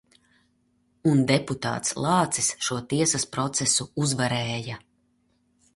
Un deputāts Lācis šo tiesas procesu uzvarēja.